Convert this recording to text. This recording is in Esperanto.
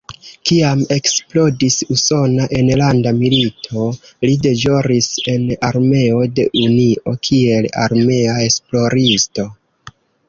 Kiam eksplodis Usona enlanda milito, li deĵoris en armeo de Unio kiel armea esploristo.